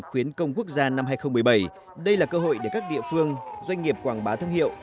khuyến công quốc gia năm hai nghìn một mươi bảy đây là cơ hội để các địa phương doanh nghiệp quảng bá thương hiệu